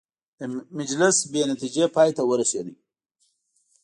مجلس بې نتیجې پای ته ورسېد.